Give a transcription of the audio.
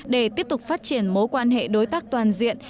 để tiếp tục phát triển mối quan hệ đối tác toàn diện